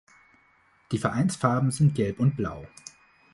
Die Vereinsfarben sind gelb und blau.